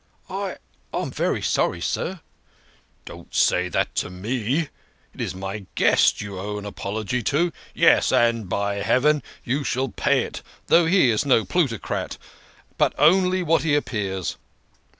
"I I'm very sorry, sir." " Don't say that to me. It is my guest you owe an apol ogy to. Yes and, by Heaven ! you shall pay it, though he is no plutocrat, but only what he appears.